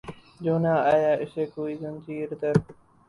جو نہ آیا اسے کوئی زنجیر در